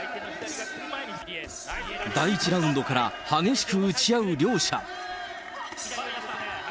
第１ラウンドから激しく打ち合う両者。